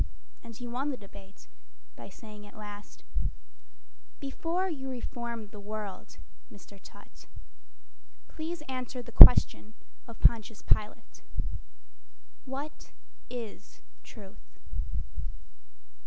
And he won the debate by saying at last, "Before you reform the world, Mr. Tutt Please answer the question of Pontius Pilate: "What is Truth?"